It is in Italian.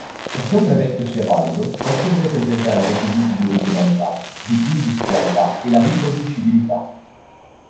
Perché un brevetto sia valido questo deve presentare i requisiti di originalità, di industrialità e la riproducibilità.